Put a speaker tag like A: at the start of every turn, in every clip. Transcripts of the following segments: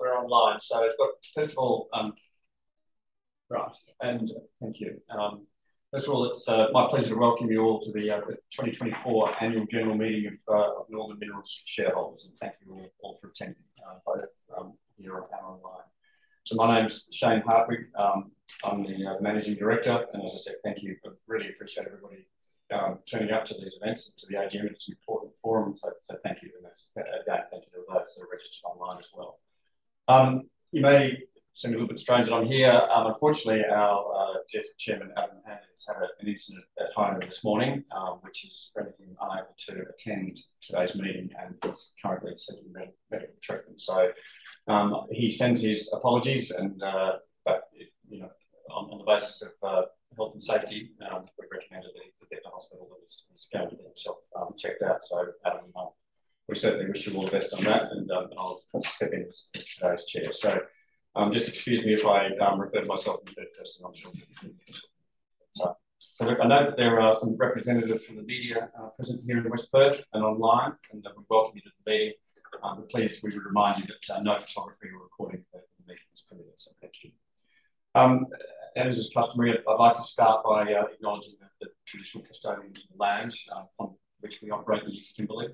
A: We're online. First of all, it's my pleasure to welcome you all to the 2024 Annual General Meeting of Northern Minerals shareholders, and thank you all for attending, both here and online, so my name's Shane Hartwig. I'm the Managing Director, and as I said, thank you. I really appreciate everybody turning out to these events, to the AGM, and it's an important forum, so thank you to those out there. Thank you to those that are registered online as well. It may seem a little bit strange that I'm here. Unfortunately, our Chairman Adam Handley has had an incident at home this morning, which has rendered him unable to attend today's meeting and is currently seeking medical treatment, so he sends his apologies. But on the basis of health and safety, we've recommended that the Chairman is going to get himself checked out. So we certainly wish you all the best on that. And I'll step in as today's chair. So just excuse me if I refer to myself as a third person. I'm sure that's fine. So I know that there are some representatives from the media present here in West Perth and online, and we welcome you to the meeting. But please, we would remind you that no photography or recording of the meeting is permitted. So thank you. And as is customary, I'd like to start by acknowledging the traditional custodians of the land on which we operate, the East Kimberley,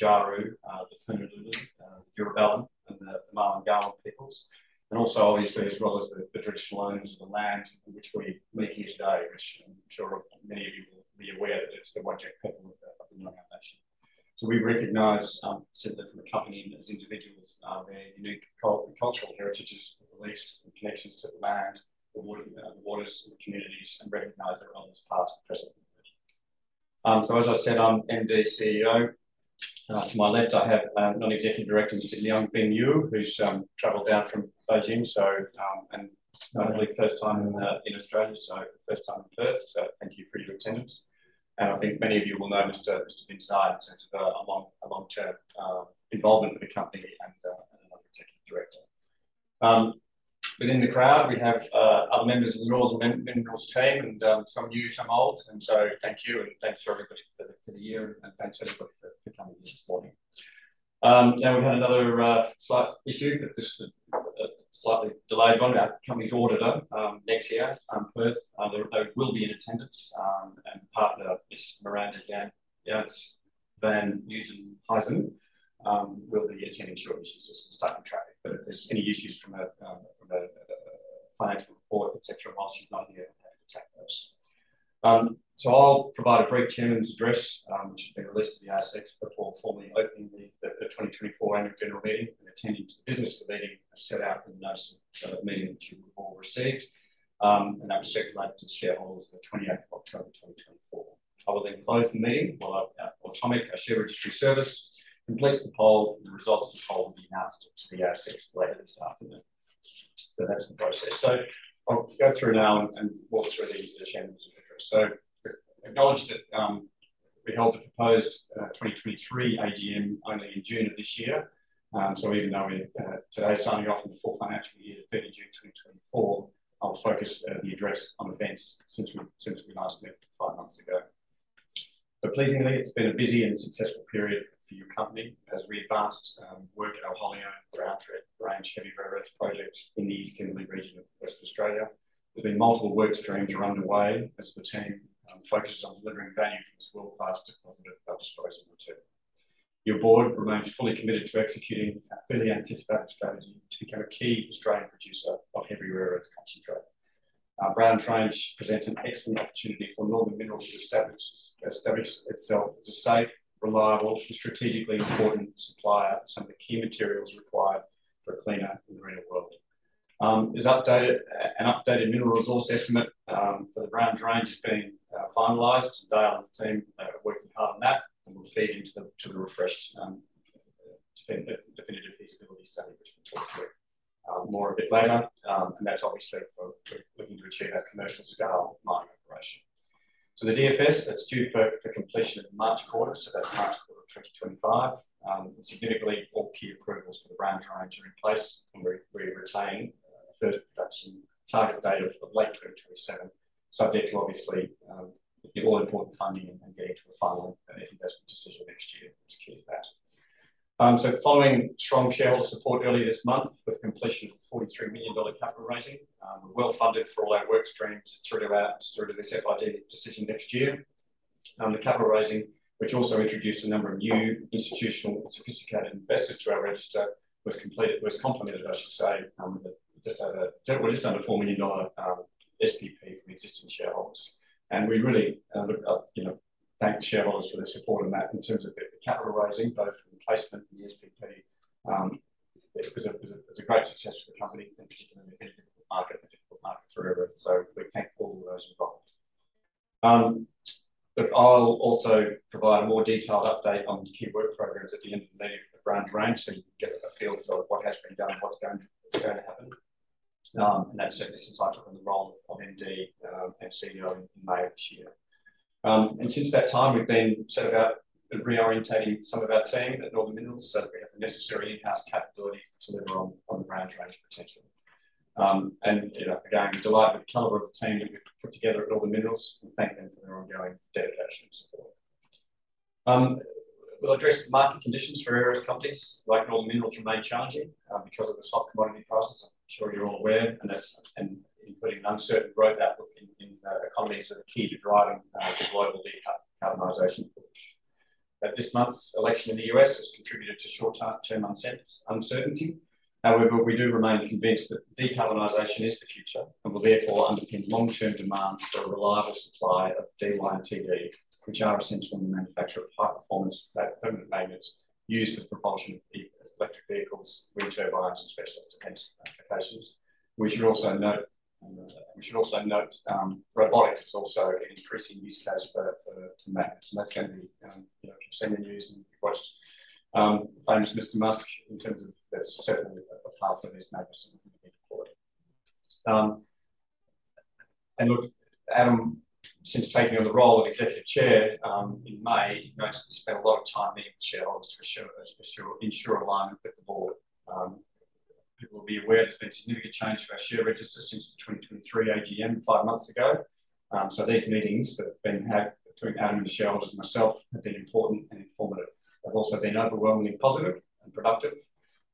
A: Jaru, the Tuna Lulu, the Tjurabalan, and the Malarngowem people. Also, obviously, as well as the traditional owners of the land on which we're meeting today, which I'm sure many of you will be aware that it's the Whadjuk people of the Noongar Nation. So we recognize certainly from accompanying them as individuals, their unique cultural heritages, beliefs, and connections to the land, the waters, and the communities, and recognize their role as part of the present community. So as I said, I'm MD/CEO. To my left, I have non-executive director Mr. Bin Cai, who's traveled down from Beijing. So not only first time in Australia, so first time in Perth. So thank you for your attendance. And I think many of you will know Mr. Bin's background in terms of a long-term involvement with the company and another executive director. Within the crowd, we have other members of the Northern Minerals team, and some new, some old. And so thank you, and thanks for everybody for the year, and thanks to everybody for coming this morning. Now, we had another slight issue, but this was a slightly delayed one. Our company's auditor, Nexia Perth, they will be in attendance. And partner Ms. Muranda Janse Van Nieuwenhuizen will be attending shortly. She's just stuck in traffic. But if there's any issues from a financial report, etc., while she's not here, I'll have to tackle those. So I'll provide a brief chairman's address, which has been released to the ASX before formally opening the 2024 Annual General Meeting and attending to the business of the meeting as set out in the notice of the meeting that you all received. And that was circulated to the shareholders on the 28th of October, 2024. I will then close the meeting while our Automic share registry service completes the poll. The results of the poll will be announced to the ASX later this afternoon. So that's the process. So I'll go through now and walk through the chairman's address. So acknowledge that we held the postponed 2023 AGM only in June of this year. So even though we're today signing off on the full financial year to 30 June 2024, I'll focus the address on events since we last met five months ago. So pleasingly, it's been a busy and successful period for your company as we advanced work at our Browns Range Heavy Rare Earths project in the East Kimberley region of Western Australia. There have been multiple work streams running in parallel as the team focused on delivering value from its world-class deposit of dysprosium material. Your board remains fully committed to executing a fairly anticipated strategy to become a key Australian producer of heavy rare earths concentrate. Browns Range presents an excellent opportunity for Northern Minerals to establish itself as a safe, reliable, and strategically important supplier of some of the key materials required for a cleaner, greener real world. An updated mineral resource estimate for the Browns Range has been finalized. Dale and the team are working hard on that and will feed into the refreshed definitive feasibility study, which we'll talk through more a bit later. And that's obviously looking to achieve that commercial scale mining operation. So the DFS, that's due for completion in March quarter. So that's March quarter of 2025. Significantly, all key approvals for the Browns Range are in place, and we retain a first production target date of late 2027, subject to obviously all important funding and getting to a final investment decision next year to keep that. So following strong shareholder support earlier this month with completion of a 43 million dollar capital raising, we're well funded for all our work streams through this FID decision next year. The capital raising, which also introduced a number of new institutional sophisticated investors to our register, was completed, was complemented, I should say, with just over, we're just under 4 million dollar SPP from existing shareholders. And we really look up, thank the shareholders for their support in that in terms of the capital raising, both from placement and the SPP. It was a great success for the company, in particular in a difficult market, a difficult market for everyone. We thank all of those involved. I'll also provide a more detailed update on key work programs at the end of the meeting for the Browns Range, so you can get a feel for what has been done, what's going to happen. That's certainly since I took on the role of MD and CEO in May of this year. Since that time, we've set about reorienting some of our team at Northern Minerals so that we have the necessary in-house capability to deliver on the Browns Range potential. Again, delighted with the caliber of the team that we've put together at Northern Minerals. We thank them for their ongoing dedication and support. will address market conditions for various companies like Northern Minerals remain challenging because of the soft commodity prices. I'm sure you're all aware, and including an uncertain growth outlook in economies that are key to driving the global decarbonization push. This month's election in the U.S. has contributed to short-term uncertainty. However, we do remain convinced that decarbonization is the future and will therefore underpin long-term demand for a reliable supply of Dy and Tb, which are essential in the manufacture of high-performance permanent magnets used for propulsion of electric vehicles, wind turbines, and specialist applications. We should also note robotics is also an increasing use case for magnets. And that's going to be, if you've seen the news and you've watched the famous Mr. Musk in terms of their success. A pathway is maybe something you need to call it. Look, Adam, since taking on the role of Executive Chairman in May, he spent a lot of time meeting with shareholders to ensure alignment with the board. People will be aware there's been significant change to our share register since the 2023 AGM five months ago. These meetings that have been had between Adam and the shareholders and myself have been important and informative. They've also been overwhelmingly positive and productive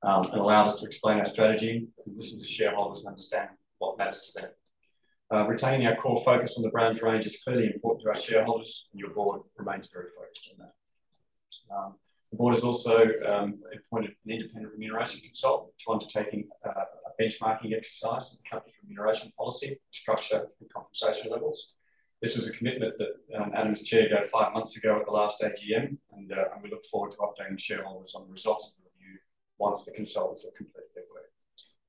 A: and allowed us to explain our strategy and listen to shareholders and understand what matters to them. Retaining our core focus on the Browns Range is clearly important to our shareholders, and your board remains very focused on that. The board has also appointed an independent remuneration consultant to undertake a benchmarking exercise in the company's remuneration policy, structure, and compensation levels. This was a commitment that Adam's Chair gave five months ago at the last AGM, and we look forward to updating shareholders on the results of the review once the consultants have completed their work.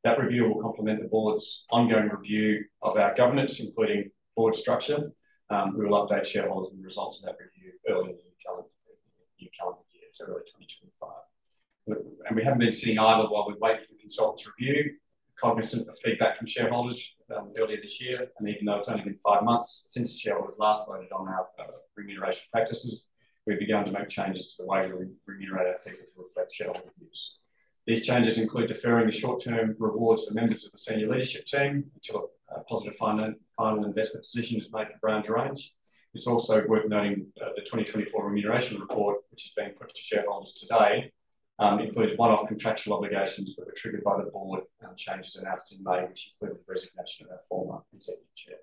A: That review will complement the board's ongoing review of our governance, including board structure. We will update shareholders on the results of that review early in the new calendar year, so early 2025. We haven't been sitting idle while we wait for the consultant's review, cognizant of feedback from shareholders earlier this year. Even though it's only been five months since the shareholders last voted on our remuneration practices, we've begun to make changes to the way we remunerate our people to reflect shareholder views. These changes include deferring the short-term rewards for members of the senior leadership team until a positive final investment decision is made for Browns Range. It's also worth noting the 2024 remuneration report, which is being put to shareholders today, includes one-off contractual obligations that were triggered by the board and changes announced in May, which included the resignation of our former executive chair,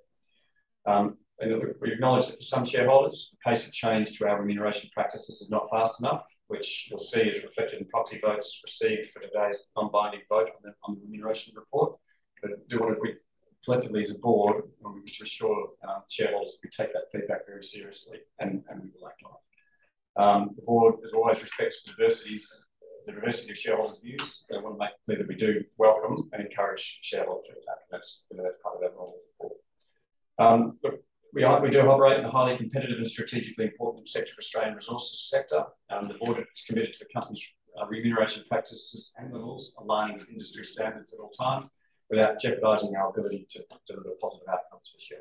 A: and we acknowledge that for some shareholders, the pace of change to our remuneration practices is not fast enough, which you'll see is reflected in proxy votes received for today's non-binding vote on the remuneration report, but I do want to collectively as a board, we just assure shareholders that we take that feedback very seriously and we will act on it. The board, as always, respects the diversity of shareholders' views. They want to make clear that we do welcome and encourage shareholders' feedback. That's part of our normal report. But we do operate in a highly competitive and strategically important sector for the Australian resources sector. The board is committed to the company's remuneration practices and levels, aligning with industry standards at all times without jeopardizing our ability to deliver positive outcomes for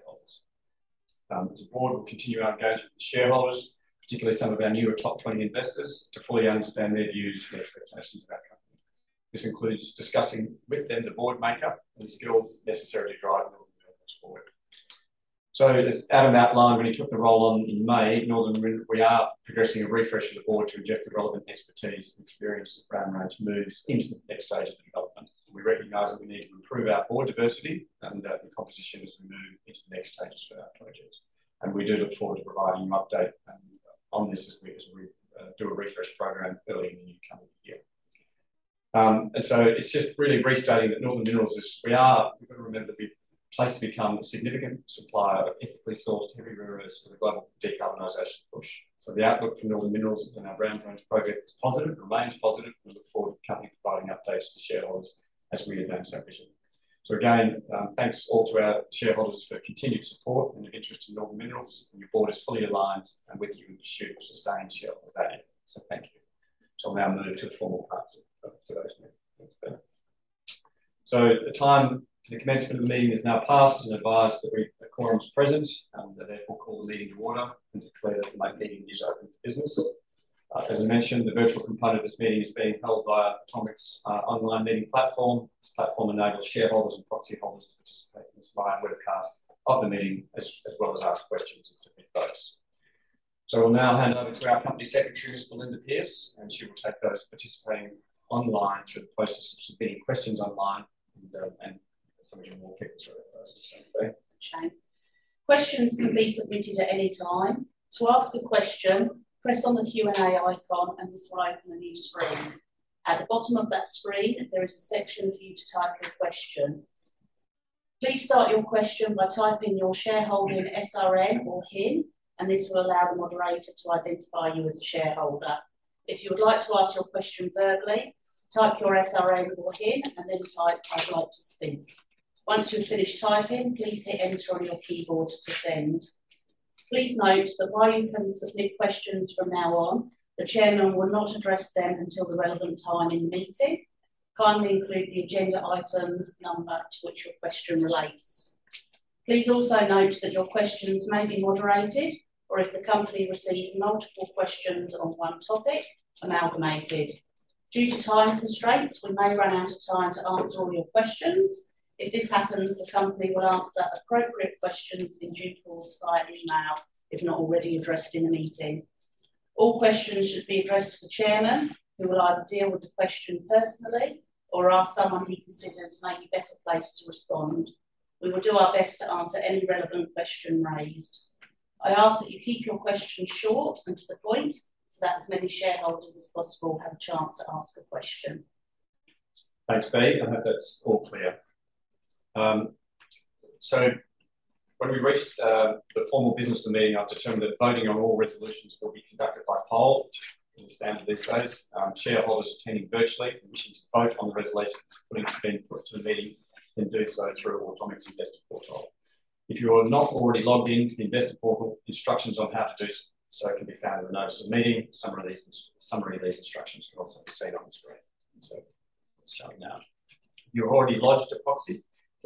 A: shareholders. The board will continue our engagement with shareholders, particularly some of our newer top 20 investors, to fully understand their views and expectations of our company. This includes discussing with them the board makeup and the skills necessary to drive Northern Minerals' board, so as Adam outlined when he took the role on in May, Northern Minerals, we are progressing a refresh of the board to inject the relevant expertise and experience as Browns Range moves into the next stage of development. We recognize that we need to improve our board diversity and the composition as we move into the next stages for our project. We do look forward to providing an update on this as we do a refresh program early in the year coming year. And so it's just really restating that Northern Minerals is, we are going to remember that we're placed to become a significant supplier of ethically sourced heavy rare earths for the global decarbonization push. So the outlook for Northern Minerals and our Browns Range project is positive, remains positive, and we look forward to the company providing updates to shareholders as we advance our vision. So again, thanks all to our shareholders for continued support and interest in Northern Minerals. Your board is fully aligned with you in pursuit of sustained shareholder value. So thank you. So I'll now move to the formal parts of today's meeting. Thanks, Ben. So the time for the commencement of the meeting is now past. As advised, the quorum is present. They therefore call the meeting to order and declare that the meeting is open to business. As I mentioned, the virtual component of this meeting is being held via Automic's online meeting platform. This platform enables shareholders and proxy holders to participate in the live webcast of the meeting as well as ask questions and submit votes. So we'll now hand over to our company secretary, Ms. Belinda Pearce, and she will take those participating online through the process of submitting questions online. And she will walk you through it first, so bear with me.
B: Questions can be submitted at any time. To ask a question, press on the Q&A icon and it will swipe to the new screen. At the bottom of that screen, there is a section for you to type your question. Please start your question by typing your shareholding SRN or HIN, and this will allow the moderator to identify you as a shareholder. If you would like to ask your question verbally, type your SRN or HIN, and then type "I'd like to speak." Once you've finished typing, please hit enter on your keyboard to send. Please note that while you can submit questions from now on, the chairman will not address them until the relevant time in the meeting. Kindly include the agenda item number to which your question relates. Please also note that your questions may be moderated or, if the company received multiple questions on one topic, amalgamated. Due to time constraints, we may run out of time to answer all your questions. If this happens, the company will answer appropriate questions in due course via email, if not already addressed in the meeting. All questions should be addressed to the chairman, who will either deal with the question personally or ask someone he considers may be a better place to respond. We will do our best to answer any relevantquestion raised. I ask that you keep your question short and to the point so that as many shareholders as possible have a chance to ask a question.
A: Thanks, Ben. I hope that's all clear. So when we reach the formal business of the meeting, I've determined that voting on all resolutions will be conducted by poll, as is standard these days. Shareholders attending virtually and wishing to vote on the resolution that's put to the meeting can do so through Automic's investor portal. If you are not already logged into the investor portal, instructions on how to do so can be found in the notice of meeting. Summary of these instructions can also be seen on the screen. So let's start now. You're already lodged a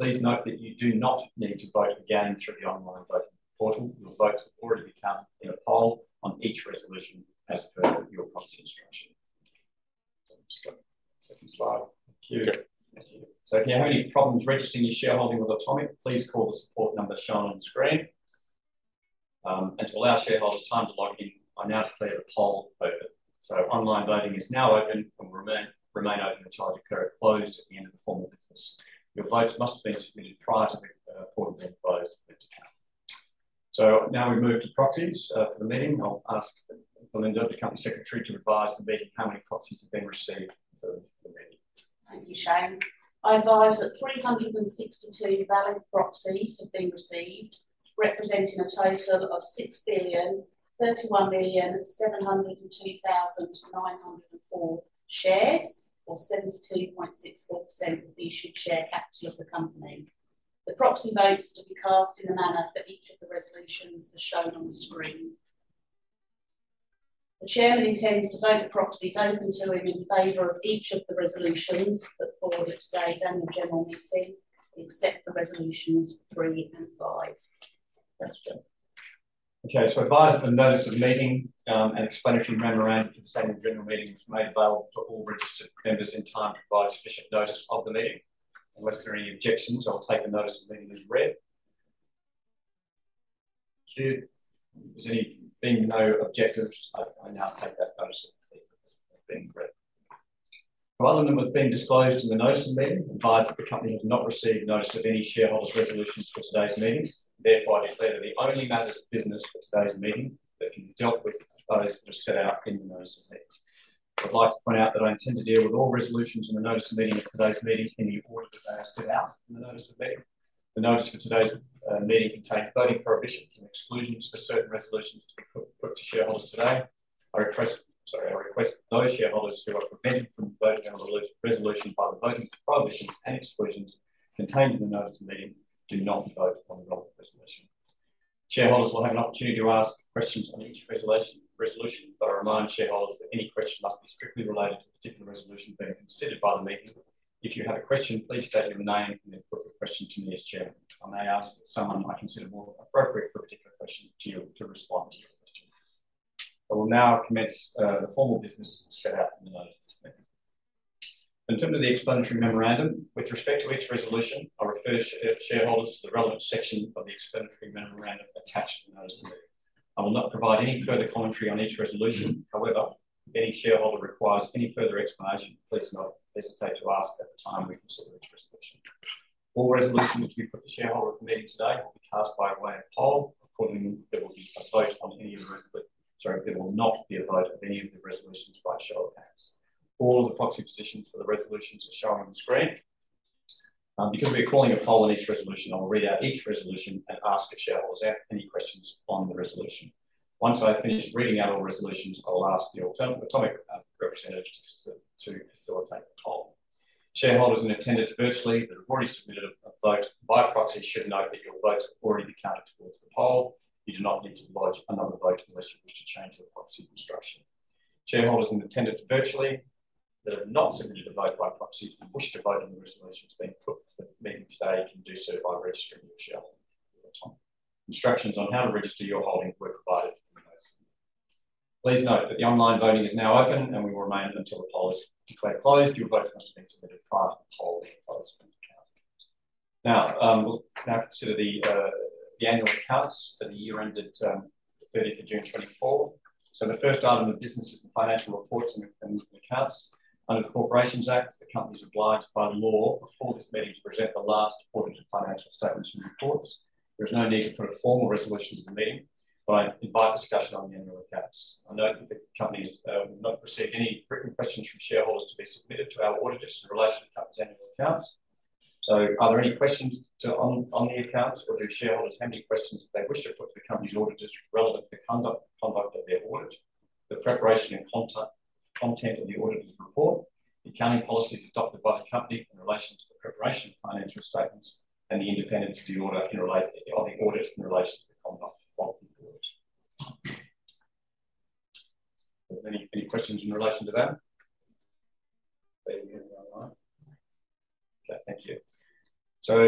A: proxy. Please note that you do not need to vote again through the online voting portal. Your votes will already be counted in a poll on each resolution as per your proxy instruction. So let's go to the second slide. Thank you. So if you have any problems registering your shareholding with Automic, please call the support number shown on the screen. And to allow shareholders time to log in, I now declare the poll open. So online voting is now open and will remain open until I declare it closed at the end of the formal business. Your votes must have been submitted prior to the portal being closed and then to count. So now we move to proxies for the meeting. I'll ask Belinda, the company secretary, to advise the meeting how many proxies have been received for the meeting.
B: Thank you, Shane. I advise that 362 valid proxies have been received, representing a total of 6,031,702,904 shares, or 72.64% of the issued share capital of the company. The proxy votes to be cast in the manner for each of the resolutions as shown on the screen. The chairman intends to vote the proxies open to him in favor of each of the resolutions put forward at today's annual general meeting, except for resolutions three and five. Question.
A: Okay. So I advise that the notice of meeting and explanatory memorandum for the AGM was made available to all registered members in time to provide sufficient notice of the meeting. Unless there are any objections, I'll take the notice of meeting as read. Thank you. Is there any objection? I now take that notice of meeting as being read. Proxies that were disclosed in the notice of meeting. I advise that the company has not received notice of any shareholders' resolutions for today's meeting. Therefore, I declare that the only matters of business for today's meeting that can be dealt with are those that are set out in the notice of meeting. I'd like to point out that I intend to deal with all resolutions in the notice of meeting at today's meeting in the order that they are set out in the notice of meeting. The notice for today's meeting contains voting prohibitions and exclusions for certain resolutions to be put to shareholders today. I request those shareholders who are prevented from voting on a resolution by the voting prohibitions and exclusions contained in the notice of meeting do not vote on the relevant resolution. Shareholders will have an opportunity to ask questions on each resolution, but I remind shareholders that any question must be strictly related to a particular resolution being considered by the meeting. If you have a question, please state your name and then put your question to me as chairman. I may ask someone I consider more appropriate for a particular question to respond to your question. I will now commence the formal business set out in the notice of this meeting. In terms of the explanatory memorandum, with respect to each resolution, I'll refer shareholders to the relevant section of the explanatory memorandum attached to the notice of meeting. I will not provide any further commentary on each resolution. However, if any shareholder requires any further explanation, please do not hesitate to ask at the time we consider each resolution. All resolutions to be put to shareholders at the meeting today will be cast by way of poll. Accordingly, there will be a vote on any of the sorry, there will not be a vote on any of the resolutions by show of hands. All of the proxy positions for the resolutions are shown on the screen. Because we are calling a poll on each resolution, I will read out each resolution and ask if shareholders have any questions on the resolution. Once I finish reading out all resolutions, I'll ask the Automic representative to facilitate the poll. Shareholders in attendance virtually that have already submitted a vote by proxy should note that your votes have already been counted towards the poll. You do not need to lodge another vote unless you wish to change the proxy instruction. Shareholders in attendance virtually that have not submitted a vote by proxy and wish to vote on the resolutions being put to the meeting today can do so by registering your shareholding with Automic. Instructions on how to register your holdings were provided in the notice of meeting. Please note that the online voting is now open and we will remain until the poll is declared closed. Your votes must have been submitted prior to the poll being closed and counted. Now, we'll consider the annual accounts for the year ended 30th of June 2024. So the first item of business is the financial reports and accounts. Under the Corporations Act, the company is obliged by law before this meeting to present the last audited financial statements and reports. There is no need to put a formal resolution to the meeting, but I invite discussion on the annual accounts. I note that the company will not receive any written questions from shareholders to be submitted to our auditors in relation to the company's annual accounts. So are there any questions on the accounts, or do shareholders have any questions that they wish to put to the company's auditors relative to the conduct of their audit, the preparation and content of the auditor's report, the accounting policies adopted by the company in relation to the preparation of financial statements, and the independence of the audit in relation to the conduct of quality audits? Any questions in relation to that? Okay, thank you. So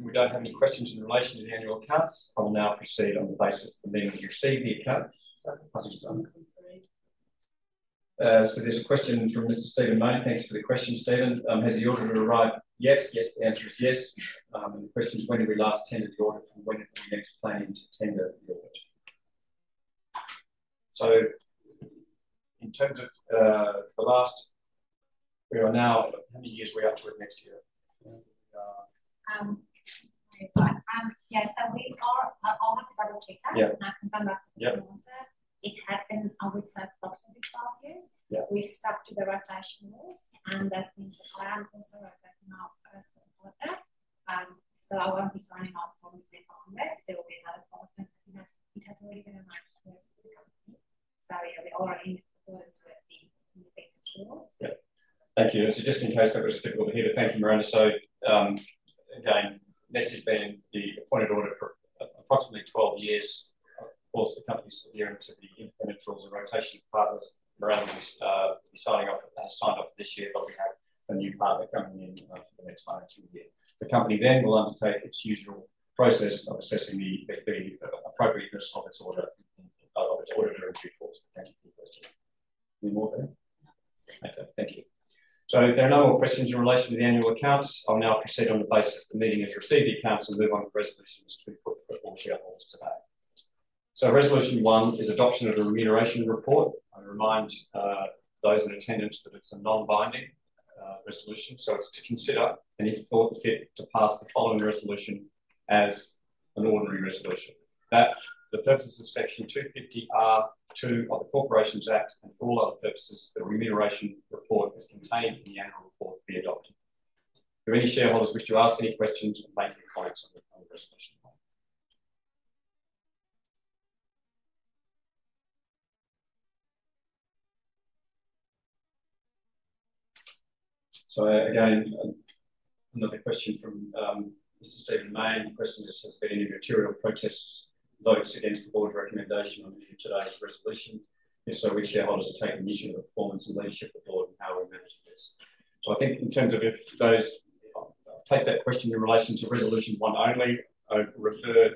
A: we don't have any questions in relation to the annual accounts. I will now proceed on the basis of the meeting has received the accounts. There's a question from Mr. Stephen May. Thanks for the question, Stephen. Has the auditor arrived yet? Yes, the answer is yes. The question is, when did we last tender the audit, and when do we plan to tender the audit? We are now, how many years are we into it next year?
C: Yeah, so we're. I'll have to double-check that. I can come back with an answer. It has been, I would say, approximately 12 years. We've stuck to the rotation rules, and that means that I am also rotating out now as the auditor. So I won't be signing off from the next financial year. There will be another colleague at 10:30 A.M., but it has already been announced to the company. So yeah, we are already in accordance with the independence rules.
A: Thank you. So just in case that was a bit overheated, thank you, Muranda. So again, this has been the appointed audit for approximately 12 years. Of course, the company's adhering to the implemented rules of rotation partners. Muranda has signed off this year, but we have a new partner coming in for the next financial year. The company then will undertake its usual process of assessing the appropriateness of its audit in due course. Thank you for your question. Any more there? Okay, thank you. So if there are no more questions in relation to the annual accounts, I'll now proceed on the basis of the meeting has received the accounts and move on to resolutions to be put before shareholders today. So resolution one is adoption of the remuneration report. I remind those in attendance that it's a non-binding resolution. It is to consider and, if thought fit, to pass the following resolution as an ordinary resolution. For the purposes of section 250R(2) of the Corporations Act and for all other purposes, the remuneration report contained in the annual report be adopted. If any shareholders wish to ask any questions or make any comments on the resolution, again, another question from Mr. Stephen May. The question is: Have there been any material protest votes against the board's recommendation on today's resolution? If so, which shareholders are taking issue with the performance and leadership of the board and how we're managing this? I think in terms of that, if you take that question in relation to Resolution 1 only, I refer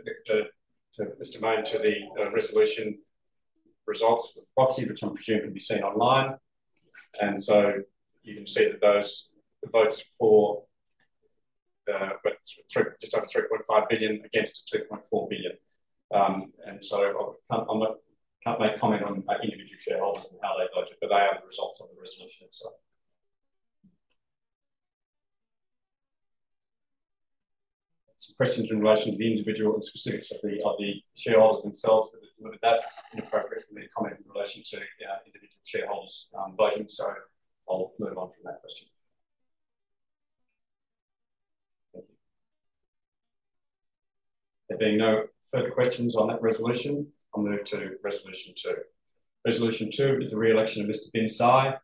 A: Mr. May to the proxy resolution results, which I presume can be seen online. And so you can see that those votes for just over 3.5 billion against 2.4 billion. And so I can't make comment on individual shareholders and how they voted, but they have the results of the resolution itself. Some questions in relation to the individual and specifics of the shareholders themselves that have delivered that is inappropriate for me to comment in relation to individual shareholders voting. So I'll move on from that question. Thank you. There being no further questions on that resolution, I'll move to resolution two. Resolution two is the re-election of Mr. Bin Cai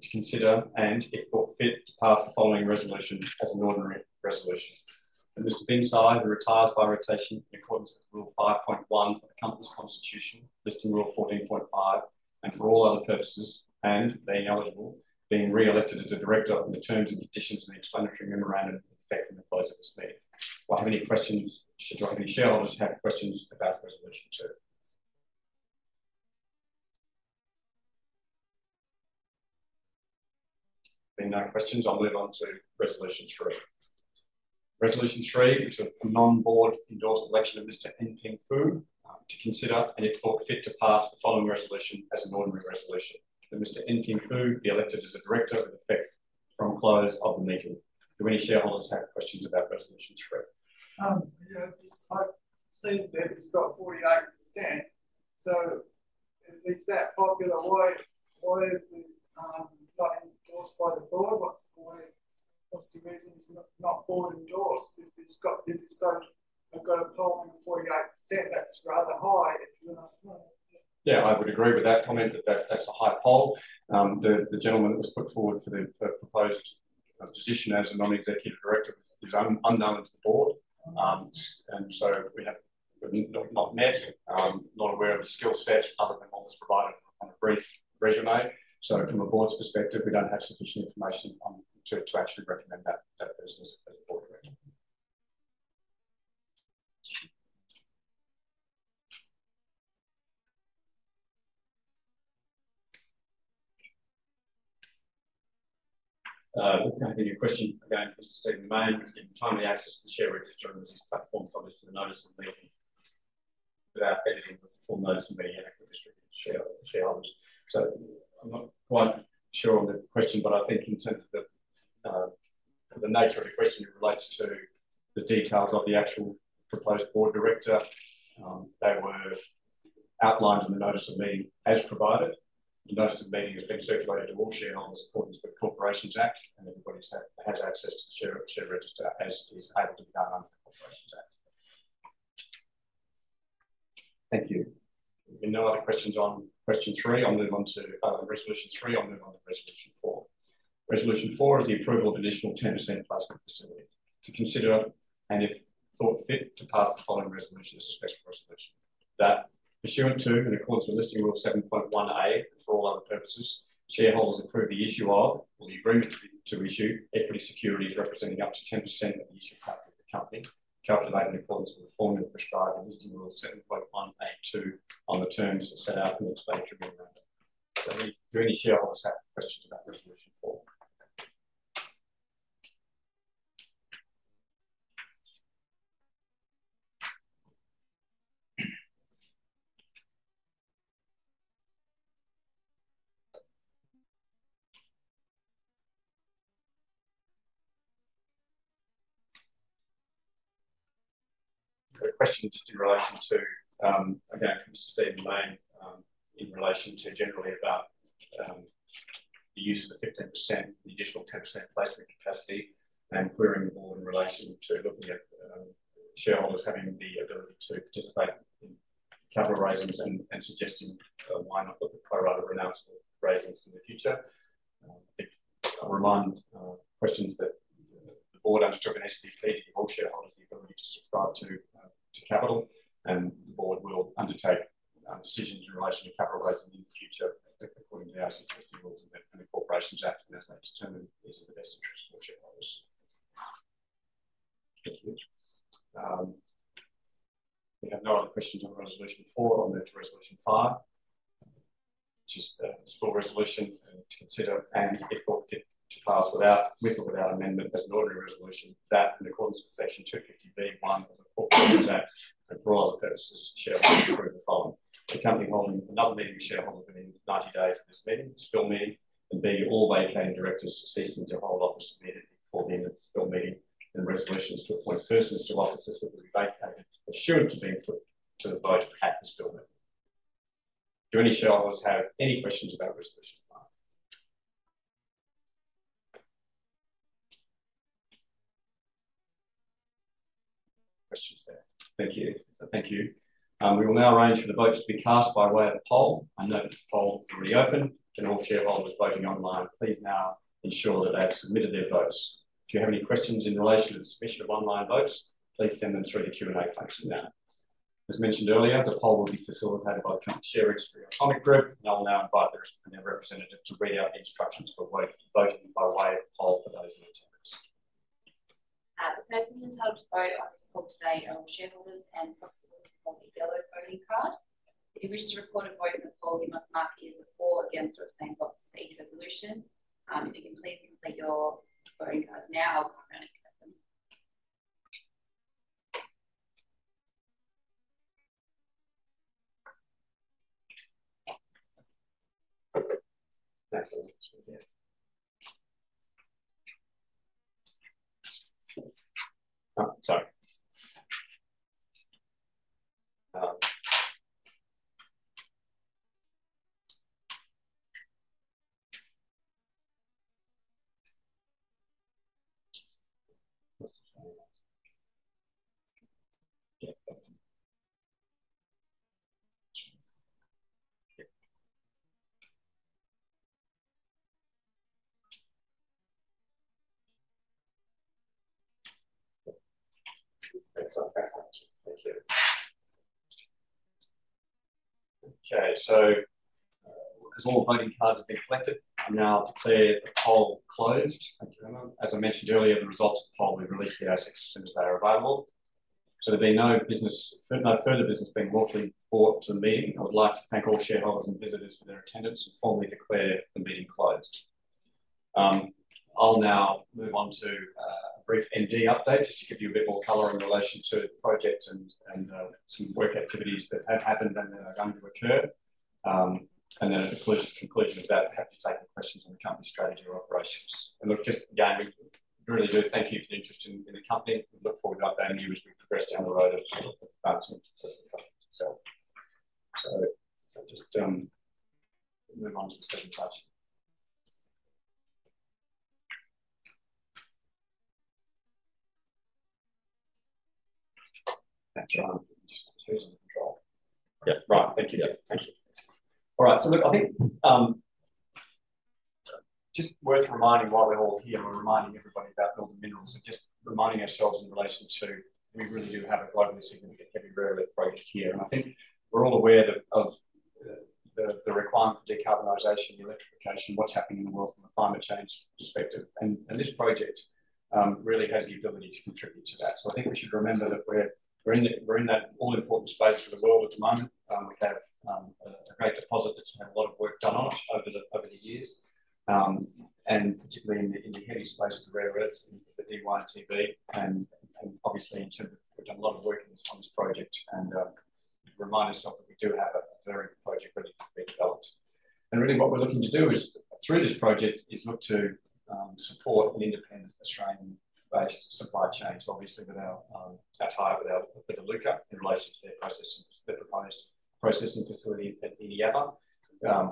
A: to consider and, if thought fit, to pass the following resolution as an ordinary resolution. Mr. Cai, who retires by rotation in accordance with rule 5.1 of the company's constitution, Listing Rule 14.5, and for all other purposes, and being eligible, being re-elected as a director on the terms and conditions of the explanatory memorandum with effect from the close of this meeting. Do I have any questions? Do any shareholders have questions about resolution two? There being no questions, I'll move on to resolution three. Resolution three, which was a non-board endorsed election of Mr. Yingtian Fu, to consider and, if thought fit, to pass the following resolution as an ordinary resolution. Mr. Yingtian Fu be elected as a director with effect from close of the meeting. Do any shareholders have questions about resolution three? Yeah, just I see that it's got 48%. So if it's that popular, why is it not endorsed by the board? What's the reason it's not board-endorsed? If it's so, I've got a poll with 48%, that's rather high. Yeah, I would agree with that comment that that's a high poll. The gentleman that was put forward for the proposed position as a non-executive director is unknown to the board. And so we have not met, not aware of the skill set other than what was provided on a brief resume. So from a board's perspective, we don't have sufficient information to actually recommend that person as a board director. If any questions again, Mr. Stephen May, timely access to the share register and these platforms published in the notice of meeting without editing the full notice of meeting and distributing to shareholders. I'm not quite sure on the question, but I think in terms of the nature of the question in relation to the details of the actual proposed board director, they were outlined in the notice of meeting as provided. The notice of meeting has been circulated to all shareholders according to the Corporations Act, and everybody has access to the share register as is able to be done under the Corporations Act. Thank you. There are no other questions on resolution three. I'll move on to resolution three. I'll move on to resolution four. Resolution four is the approval of additional 10% placement facility to consider and, if thought fit, to pass the following resolution as a special resolution. That pursuant to and according to listing rule 7.1(a) for all other purposes, shareholders approve the issue of or the agreement to issue equity securities representing up to 10% of the issued capital of the company, calculated in accordance with the formula prescribed in listing rule 7.1(a)(2) on the terms set out in the explanatory memorandum. Do any shareholders have questions about resolution four? Question just in relation to, again, from Mr. Stephen May in relation to generally about the use of the 15%, the additional 10% placement capacity and querying the board in relation to looking at shareholders having the ability to participate in capital raisings and suggesting why not look at pro-rata renounced raisings in the future. response to questions that the board undertook an SPP to give all shareholders the ability to subscribe to capital, and the board will undertake decisions in relation to capital raising in the future according to the ASX listing rules and the Corporations Act as they determine these are the best interests for shareholders. Thank you. We have no other questions on resolution four. I'll move to resolution five, which is the spill resolution to consider and, if thought fit, to pass without amendment as an ordinary resolution that in accordance with section 250V(1) of the Corporations Act for all other purposes, shareholders approve the following: the company holding another meeting with shareholders within 90 days of this meeting, the spill meeting, and B, all vacating directors ceasing to hold office immediately before the end of the spill meeting, and resolutions to appoint persons to office as to the vacancies are to be put to the vote at the spill meeting. Do any shareholders have any questions about resolution five? Questions there? Thank you. So thank you. We will now arrange for the votes to be cast by way of a poll. I note that the poll is already open. Can all shareholders voting online please now ensure that they have submitted their votes. If you have any questions in relation to the submission of online votes, please send them through the Q&A function now. As mentioned earlier, the poll will be facilitated by the company's share registry Automic Group, and I will now invite the representative to read out the instructions for voting by way of a poll for those in attendance.
B: The persons entitled to vote are called today shareholders and proxy holders to hold a yellow voting card. If you wish to record a vote in the poll, you must mark it as for against or abstain proxy resolution. If you can please complete your voting cards now, I'll come around and get them. Okay, so as all voting cards have been collected, I'll now declare the poll closed.
A: As I mentioned earlier, the results of the poll will be released to the ASX as soon as they are available. So there being no further business being brought to the meeting, I would like to thank all shareholders and visitors for their attendance and formally declare the meeting closed. I'll now move on to a brief MD update just to give you a bit more color in relation to the project and some work activities that have happened and that are going to occur. And then at the conclusion of that, I'll have to take the questions on the company strategy or operations. And look, just again, we really do thank you for the interest in the company. We look forward to updating you as we progress down the road of advancing the company itself. So I'll just move on to the presentation. Yeah, right. Thank you. Thank you. All right. So look, I think just worth reminding while we're all here, we're reminding everybody about Northern Minerals and just reminding ourselves in relation to we really do have a globally significant heavy rare earths project here. And I think we're all aware of the requirement for decarbonization, electrification, what's happening in the world from a climate change perspective. And this project really has the ability to contribute to that. So I think we should remember that we're in that all-important space for the world at the moment. We have a great deposit that's had a lot of work done on it over the years, and particularly in the heavy space of the rare earths, the Dy Tb. And obviously, we've done a lot of work on this project and remind ourselves that we do have a very good project ready to be developed. And really, what we're looking to do through this project is look to support an independent Australian-based supply chain, obviously with our tie with Iluka in relation to their processing facility at Eneabba.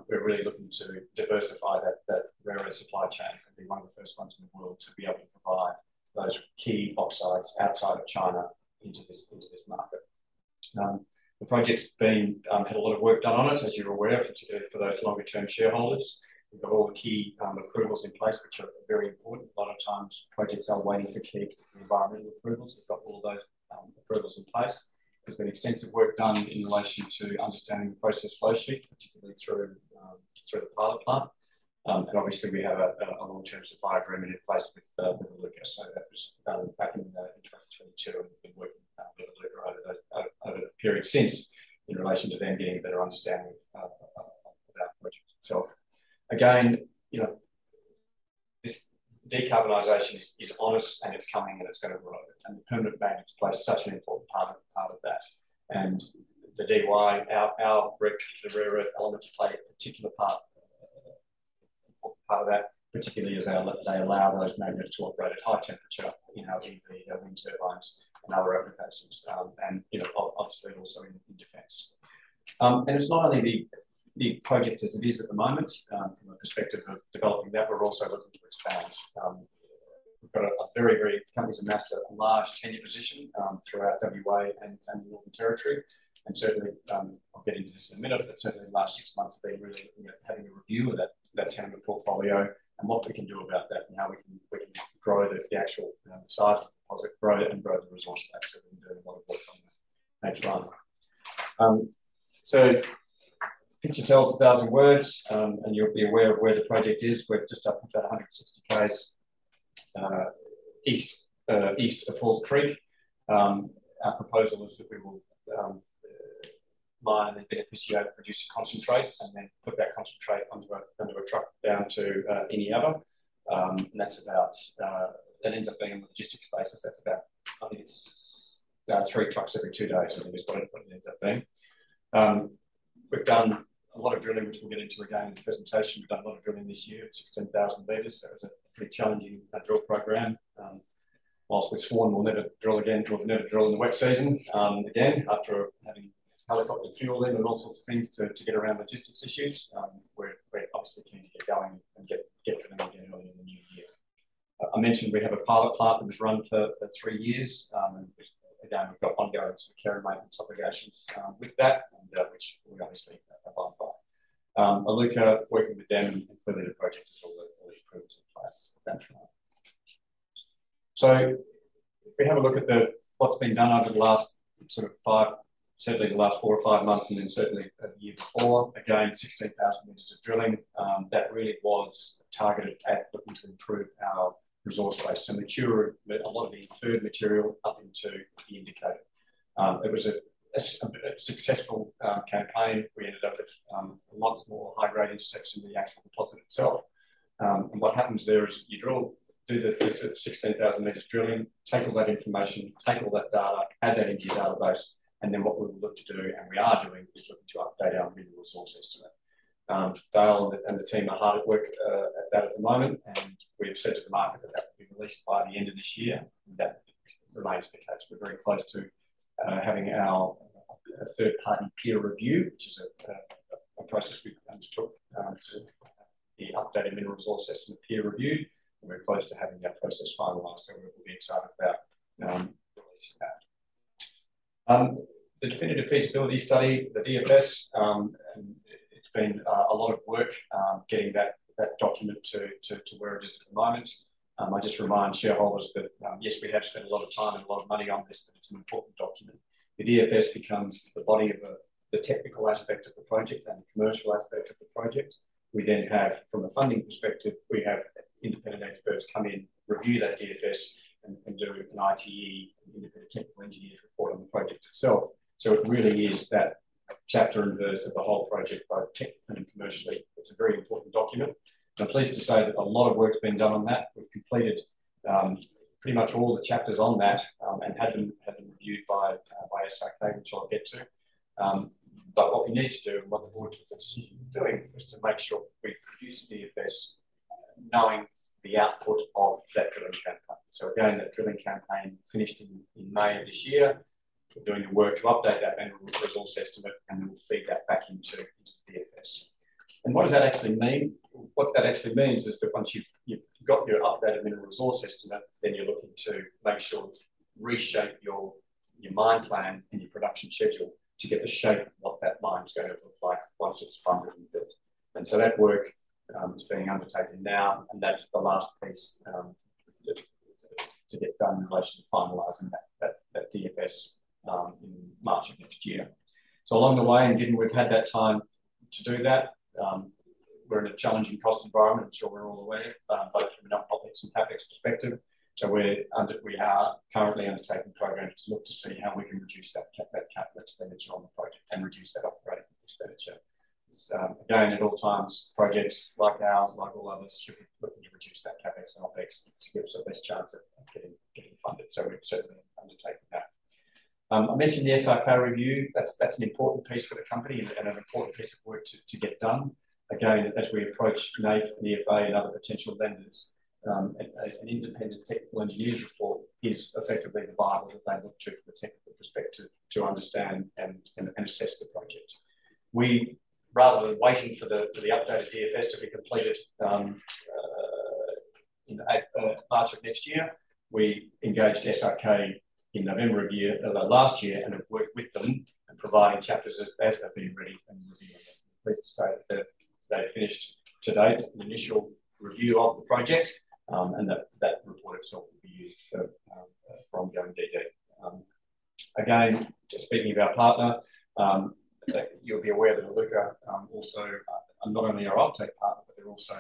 A: We're really looking to diversify that rare earth supply chain and be one of the first ones in the world to be able to provide those key oxides outside of China into this market. The project's been had a lot of work done on it, as you're aware of, for those longer-term shareholders. We've got all the key approvals in place, which are very important. A lot of times, projects are waiting for key environmental approvals. We've got all those approvals in place. There's been extensive work done in relation to understanding the process flowsheet, particularly through the pilot plant. And obviously, we have a long-term supply agreement in place with Iluka. That was back in 2022, and we've been working with Iluka over the period since in relation to them getting a better understanding of that project itself. Again, this decarbonization is on us, and it's coming, and it's going to grow. The permanent magnets play such an important part of that. The DY, our rare earth elements play a particular part of that, particularly as they allow those magnets to operate at high temperature in our wind turbines and other applications, and obviously also in defense. It's not only the project as it is at the moment. From a perspective of developing that, we're also looking to expand. We've got a very, very company's a master of a large tenure position throughout WA and the Northern Territory. Certainly, I'll get into this in a minute, but certainly in the last six months, we've been really looking at having a review of that tenure portfolio and what we can do about that and how we can grow the actual size of the deposit, grow it and grow the resource back. So we've been doing a lot of work on that. Thank you. A picture tells a thousand words, and you'll be aware of where the project is. We're just up about 160 km east of Halls Creek. Our proposal is that we will mine and beneficiate to produce concentrate and then put that concentrate on a truck down to Eneabba. That ends up being on the logistics basis. That's about. I think it's three trucks every two days. I think is what it ends up being. We've done a lot of drilling, which we'll get into again in the presentation. We've done a lot of drilling this year at 16,000 meters. That was a pretty challenging drill program. While we've sworn we'll never drill again, we'll never drill in the wet season. Again, after having helicopter fueling and all sorts of things to get around logistics issues, we're obviously keen to get going and get drilling again earlier in the new year. I mentioned we have a pilot plant that was run for three years. Again, we've got bond guarantees with carry maintenance obligations with that, which we obviously abide by. Iluka, working with them and clearly the project has already proved in place with that. So if we have a look at what's been done over the last sort of five, certainly the last four or five months, and then certainly the year before, again, 16,000 meters of drilling, that really was targeted at looking to improve our resource base to mature a lot of the footwall material up into the Indicated. It was a successful campaign. We ended up with lots more high-grade intersection in the actual deposit itself. And what happens there is you drill, do the 16,000 meters drilling, take all that information, take all that data, add that into your database. And then what we will look to do, and we are doing, is looking to update our Mineral Resource Estimate. Dale and the team are hard at work at that at the moment, and we have said to the market that that will be released by the end of this year. That remains the case. We're very close to having our third-party peer review, which is a process we undertook to be updated mineral resource estimate peer reviewed. We're close to having that process finalized, so we'll be excited about releasing that. The definitive feasibility study, the DFS, and it's been a lot of work getting that document to where it is at the moment. I just remind shareholders that, yes, we have spent a lot of time and a lot of money on this, but it's an important document. The DFS becomes the body of the technical aspect of the project and the commercial aspect of the project. We then have, from a funding perspective, we have independent experts come in, review that DFS, and do an ITE, an independent technical engineer's report on the project itself, so it really is that chapter and verse of the whole project, both technically and commercially. It's a very important document. I'm pleased to say that a lot of work's been done on that. We've completed pretty much all the chapters on that and had them reviewed by SRK, which I'll get to, but what we need to do and what the board's decision is doing is to make sure we produce the DFS knowing the output of that drilling campaign, so again, that drilling campaign finished in May of this year. We're doing the work to update that mineral resource estimate, and then we'll feed that back into the DFS, and what does that actually mean? What that actually means is that once you've got your updated mineral resource estimate, then you're looking to make sure you reshape your mine plan and your production schedule to get the shape of what that mine's going to look like once it's funded and built, and so that work is being undertaken now, and that's the last piece to get done in relation to finalizing that DFS in March of next year, so along the way, and given we've had that time to do that, we're in a challenging cost environment, I'm sure we're all aware, both from an OpEx and CapEx perspective, so we are currently undertaking programs to look to see how we can reduce that CapEx expenditure on the project and reduce that operating expenditure. Again, at all times, projects like ours, like all others, should be looking to reduce that CapEx and OpEx because it's the best chance of getting funded. So we've certainly undertaken that. I mentioned the SRK review. That's an important piece for the company and an important piece of work to get done. Again, as we approach NAIF, EFA, and other potential funders, an independent technical engineer's report is effectively the bible that they look to from a technical perspective to understand and assess the project. Rather than waiting for the updated DFS to be completed in March of next year, we engaged SRK in November of last year and have worked with them and provided chapters as they've been ready and reviewed. Pleased to say that they've finished to date the initial review of the project, and that report itself will be used for ongoing DD. Again, just speaking of our partner, you'll be aware that Iluka also not only are our offtake partner, but they're also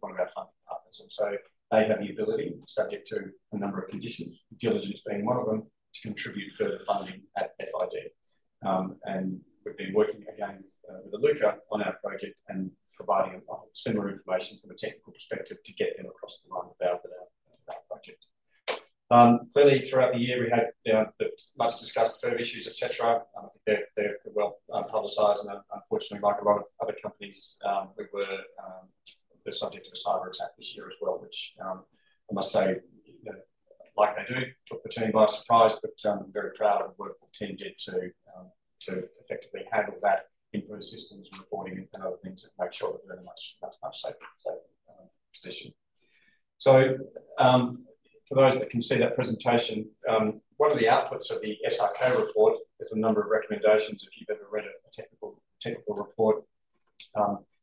A: one of our funding partners. And so they have the ability, subject to a number of conditions, diligence being one of them, to contribute further funding at FID. And we've been working again with Iluka on our project and providing similar information from a technical perspective to get them across the line with our project. Clearly, throughout the year, we had much discussed further issues, etc. I think they're well publicized. Unfortunately, like a lot of other companies, we were the subject of a cyber attack this year as well, which I must say, like they do, took the team by surprise, but very proud of the work the team did to effectively handle that, improving systems and reporting and other things and make sure that we're in a much safer position. For those that can see that presentation, one of the outputs of the SRK report is a number of recommendations. If you've ever read a technical report,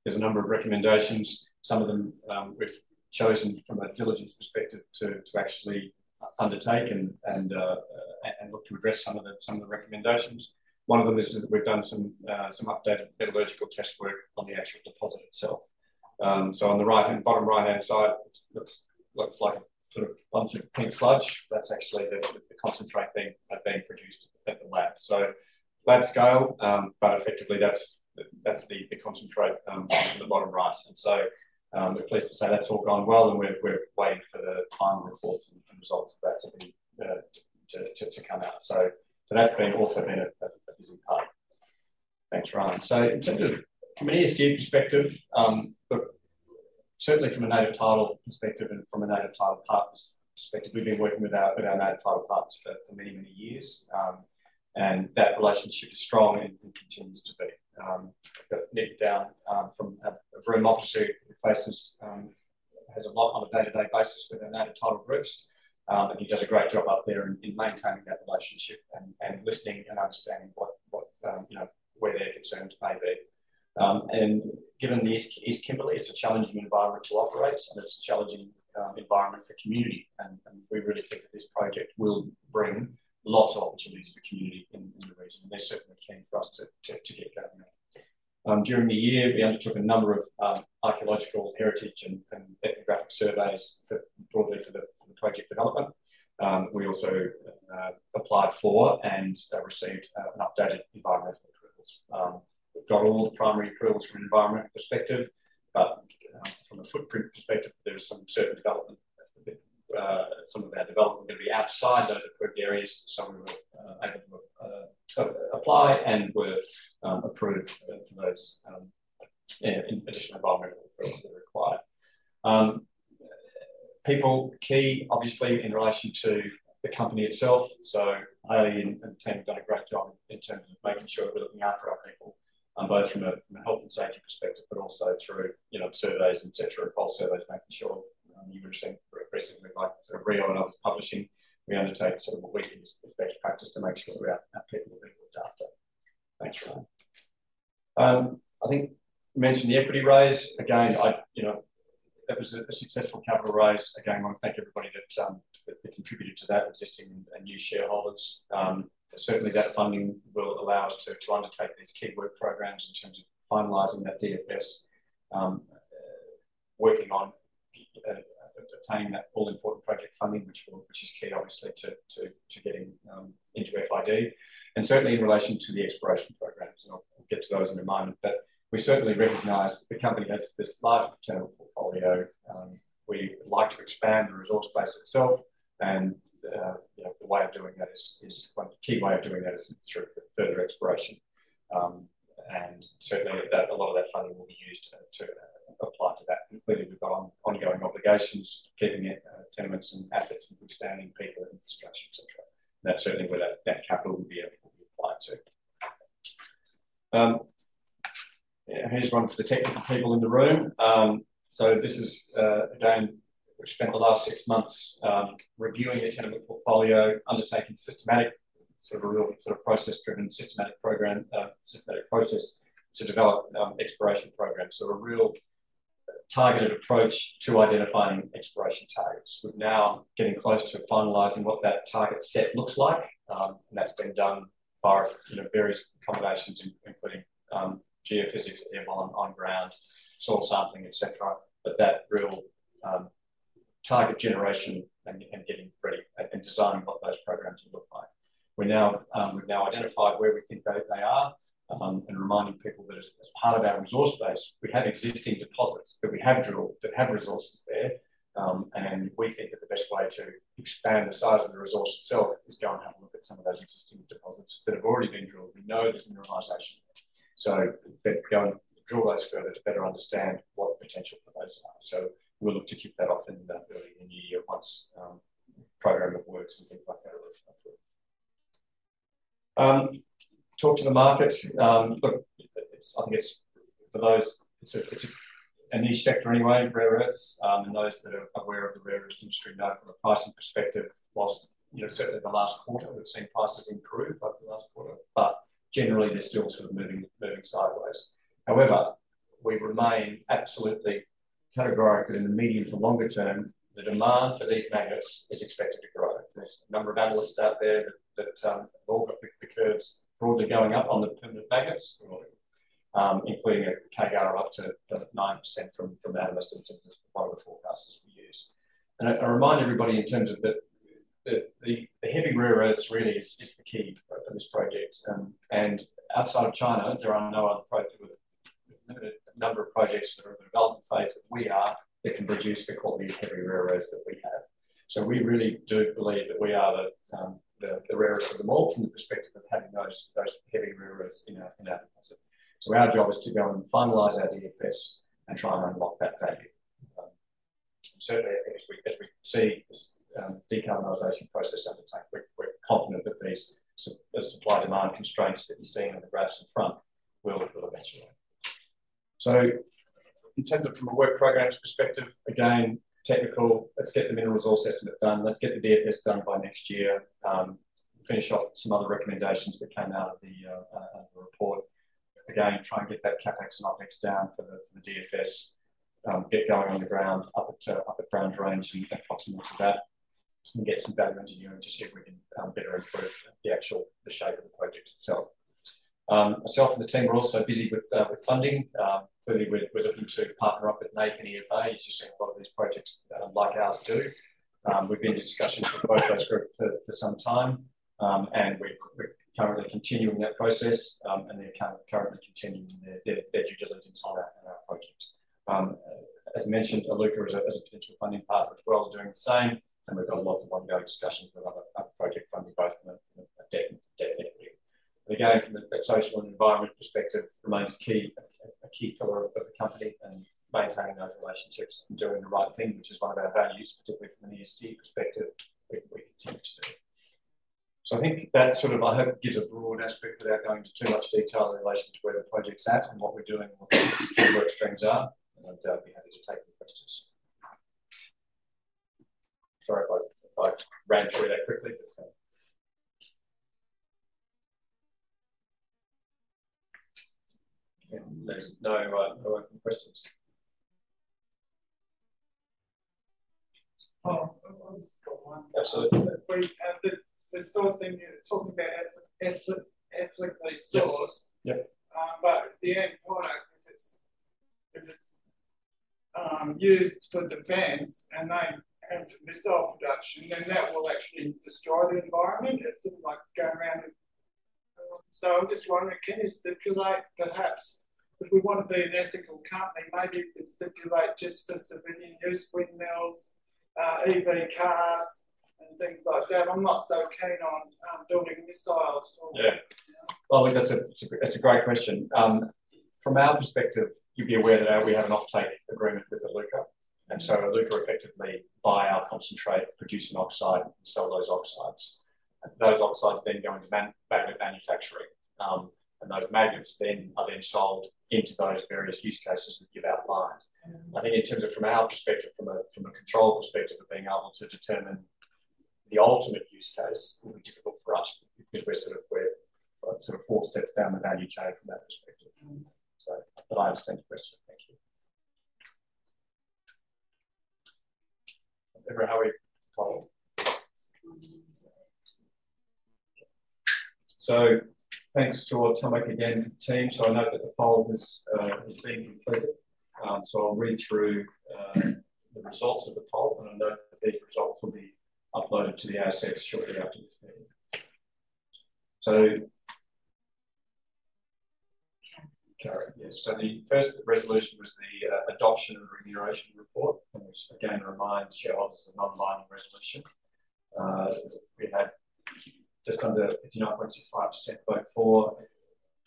A: there's a number of recommendations. Some of them we've chosen from a diligence perspective to actually undertake and look to address some of the recommendations. One of them is that we've done some updated metallurgical test work on the actual deposit itself. On the bottom right-hand side, it looks like a sort of bunch of pink sludge. That's actually the concentrate being produced at the lab, so lab scale, but effectively, that's the concentrate on the bottom right, and so we're pleased to say that's all gone well, and we're waiting for the final reports and results of that to come out, so that's also been a busy part. Thanks, Ryan, so in terms of from an ESG perspective, certainly from a native title perspective and from a native title partner's perspective, we've been working with our native title partners for many, many years, and that relationship is strong and continues to be. Nick down from Brew & Mopper Seed has a lot on a day-to-day basis with our native title groups, and he does a great job up there in maintaining that relationship and listening and understanding where their concerns may be. And given the East Kimberley, it's a challenging environment to operate, and it's a challenging environment for community. And we really think that this project will bring lots of opportunities for community in the region, and they're certainly keen for us to get going there. During the year, we undertook a number of archaeological, heritage, and ethnographic surveys broadly for the project development. We also applied for and received updated environmental approvals. We've got all the primary approvals from an environmental perspective, but from a footprint perspective, there is some certain development. Some of our development is going to be outside those approved areas. So we were able to apply and were approved for those additional environmental approvals that are required. People are key, obviously, in relation to the company itself. So Ali and the team have done a great job in terms of making sure that we're looking after our people, both from a health and safety perspective, but also through surveys, etc., pulse surveys, making sure you understand aggressively, like sort of re-onboarding. We undertake sort of what we think is best practice to make sure that our people are being looked after. Thanks, Ryan. I think you mentioned the equity raise. Again, it was a successful capital raise. Again, I want to thank everybody that contributed to that, attracting new shareholders. Certainly, that funding will allow us to undertake these key work programs in terms of finalizing that DFS, working on obtaining that all-important project funding, which is key, obviously, to getting into FID. Certainly, in relation to the exploration programs, and I'll get to those in a moment, but we certainly recognize the company has this large portfolio. We would like to expand the resource base itself, and the way of doing that is one key way of doing that is through further exploration. And certainly, a lot of that funding will be used to apply to that. Clearly, we've got ongoing obligations, keeping tenements and assets in good standing, people, infrastructure, etc. And that's certainly where that capital will be able to be applied to. Here's one for the technical people in the room. So this is, again, we've spent the last six months reviewing the tenement portfolio, undertaking systematic, a real process-driven systematic program, systematic process to develop exploration programs. So a real targeted approach to identifying exploration targets. We're now getting close to finalizing what that target set looks like, and that's been done by various combinations, including geophysics, airborne, on-ground, soil sampling, etc., but that real target generation and getting ready and designing what those programs will look like. We've now identified where we think they are and reminding people that as part of our resource base, we have existing deposits that we have drilled that have resources there, and we think that the best way to expand the size of the resource itself is go and have a look at some of those existing deposits that have already been drilled. We know there's mineralization, so go and drill those further to better understand what the potential for those are, so we'll look to kick that off in the early year once the program works and things like that are approved. Talk to the market. Look, I think it's for those, it's a niche sector anyway, rare earths, and those that are aware of the rare earth industry know from a pricing perspective, while certainly the last quarter, we've seen prices improve over the last quarter, but generally, they're still sort of moving sideways. However, we remain absolutely categorical that in the medium- to long-term, the demand for these magnets is expected to grow. There's a number of analysts out there that have all got the curves broadly going up on the magnets, including a CAGR up to 9% from analysts in terms of one of the forecasts that we use. And I remind everybody in terms of that the heavy rare earths really is the key for this project. Outside of China, there are no other projects with a number of projects that are in the development phase that we can produce the quality of heavy rare earths that we have. We really do believe that we are the rarest of them all from the perspective of having those heavy rare earths in our deposit. Our job is to go and finalize our DFS and try and unlock that value. Certainly, as we see this decarbonization process undertake, we're confident that these supply-demand constraints that you're seeing on the graphs in front will eventually. In terms of a work programs perspective, again, technical, let's get the mineral resource estimate done. Let's get the DFS done by next year. Finish off some other recommendations that came out of the report. Again, try and get that CapEx and OpEx down for the DFS. Get going on the ground up at Browns Range and proximal to that and get some better engineering to see if we can better improve the shape of the project itself. Myself and the team are also busy with funding. Clearly, we're looking to partner up with NAIF and EFA. You've seen a lot of these projects like ours do. We've been in discussion with both those groups for some time, and we're currently continuing that process and currently continuing their due diligence on our project. As mentioned, Iluka is a potential funding partner as well doing the same, and we've got lots of ongoing discussions with other project funders, both from a debt equity. Again, from a social and environmental perspective, it remains a key pillar of the company and maintaining those relationships and doing the right thing, which is one of our values, particularly from an ESG perspective, we continue to do. I think that sort of, I hope, gives a broad aspect without going into too much detail in relation to where the project's at and what we're doing and what the work streams are. I'd be happy to take your questions. Sorry if I ran through that quickly, but. There's no open questions. Oh, I've just got one. Absolutely. The sourcing, you're talking about ethically sourced, but the end product, if it's used for defense and they have missile production, then that will actually destroy the environment. It's sort of like going around and. So I'm just wondering, can you stipulate perhaps if we want to be an ethical company, maybe we could stipulate just for civilian use windmills, EV cars, and things like that? I'm not so keen on building missiles for. Yeah. Well, look, that's a great question. From our perspective, you'd be aware that we have an offtake agreement with Iluka. And so Iluka effectively buys our concentrate, producing oxide, and sells those oxides. Those oxides then go into magnet manufacturing, and those magnets then are sold into those various use cases that you've outlined. I think in terms of from our perspective, from a control perspective of being able to determine the ultimate use case, it would be difficult for us because we're sort of four steps down the value chain from that perspective. So I understand your question. Thank you. Everyone, how are you? Thanks for your time. Thank you again to the team. I note that the poll has been completed. I'll read through the results of the poll, and I note that these results will be uploaded to the ASX shortly after this meeting. The first resolution was the adoption of the remuneration report. And again, I remind shareholders of the non-binding resolution. We had just under 59.65% vote for,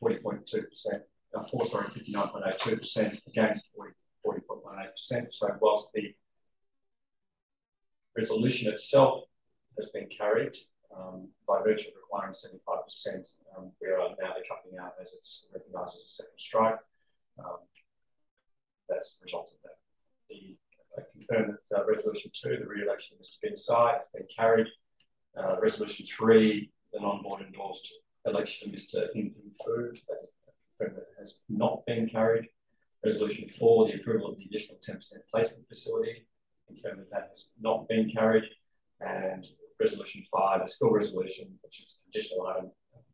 A: 40.2%, sorry, 59.82% against 40.18%. So while the resolution itself has been carried by virtue of requiring 75%, we are now to hold a Spill Resolution as it's recognized as a second strike. That's the result of that. The resolution two, the re-election of Mr. Bin Cai, has been carried. Resolution three, the non-board endorsed election of Mr. Yingtian Fu, has not been carried. Resolution four, the approval of the additional 10% placement facility, confirmed that that has not been carried. Resolution five, a spill resolution, which is an additional item,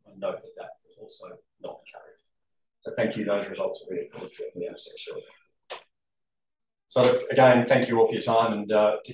A: I note that that has also not been carried. Thank you. Those results are really good for the assets. Again, thank you all for your time and to.